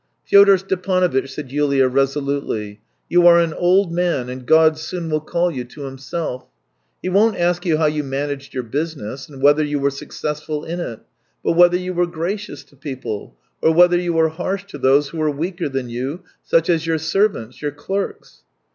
" Fyodor Stepanovitch," said Yulia resolutely, " you are an old man, and God soon will call you to Himself. He won't ask you how you managed your business, and whether you were successful in it, but whether you were gracious to people; or whether you were harsh to those who were weaker than you, such as your servants, your clerks."